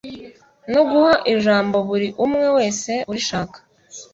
No guha ijambo buri umwe wese urishaka .